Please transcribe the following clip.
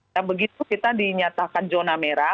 dan begitu kita dinyatakan zona merah